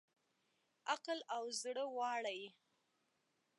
عقل او زړه واړه یې